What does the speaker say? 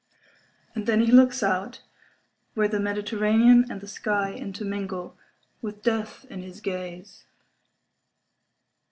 And then he looks out where the Mediterranean and the sky intermingle, with death in his gaze.